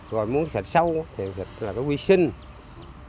rồi muốn sạch sâu thì sạch là cái huy sinh